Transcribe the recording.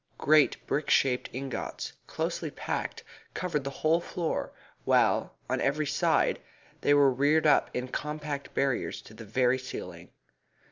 Great brick shaped ingots, closely packed, covered the whole floor, while on every side they were reared up in compact barriers to the very ceiling.